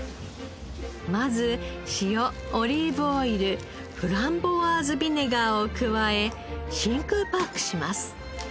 まず塩オリーブオイルフランボワーズビネガーを加え真空パックします。